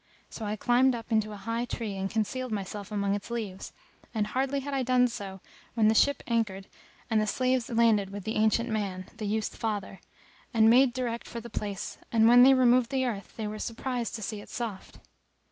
So I climbed up into a high tree and concealed myself among its leaves; and hardly had I done so when the ship anchored and the slaves landed with the ancient man, the youth's father, and made direct for the place and when they removed the earth they were surprised to see it soft.